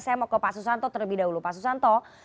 saya mau ke pak susanto